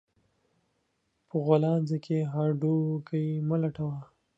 په غولانځه کې هډو کى مه لټوه